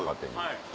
はい。